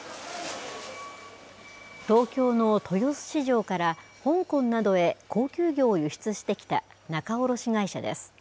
東京の豊洲市場から香港などへ高級魚を輸出してきた仲卸会社です。